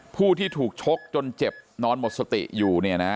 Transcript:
ผู้ที่ถูกชกจนเจ็บนอนหมดสติอยู่เนี่ยนะ